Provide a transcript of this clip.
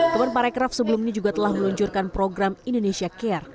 teman teman aircraft sebelum ini juga telah meluncurkan program indonesia care